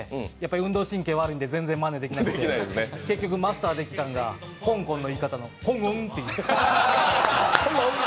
運動神経悪いんで全然まねでなくて結局マスターできたんが香港のいいかた、フォンウォン。